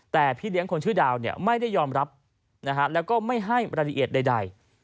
แต่พี่เลี้ยงคนชื่อดาวไม่ได้ยอมรับแล้วก็ไม่ให้รายละเอียดใด